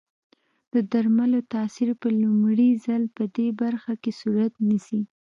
د درملو تاثیر په لومړي ځل پدې برخه کې صورت نیسي.